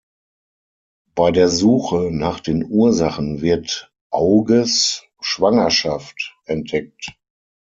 Bei der Suche nach den Ursachen wird Auges Schwangerschaft entdeckt.